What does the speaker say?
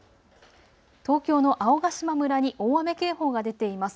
東京の青ヶ島村に大雨警報が出ています。